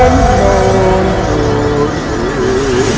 baik ayahanda prabu